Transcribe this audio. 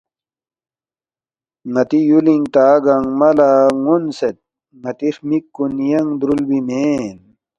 ن٘تی یُولِنگ تا گنگمہ لہ ن٘ونسید ن٘تی ہرمِک کُن ینگ درُولبی مین